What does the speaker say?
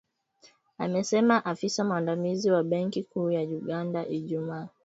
amesema afisa mwandamizi wa benki kuu ya Uganda Ijumaa